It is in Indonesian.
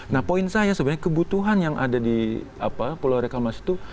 nah poin saya sebenarnya kebutuhan yang ada di pulau reklamasi itu